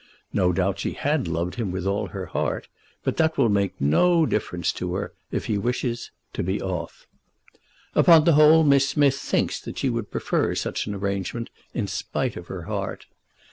No doubt she had loved him with all her heart, but that will make no difference to her, if he wishes, to be off. Upon the whole Miss Smith thinks that she would prefer such an arrangement, in spite of her heart.